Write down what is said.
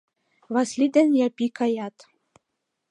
Васли ден Япи каят.